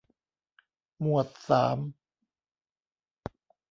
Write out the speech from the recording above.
หมวดสาม